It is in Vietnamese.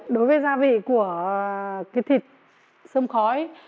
đối với gia vị của cái thịt sông khói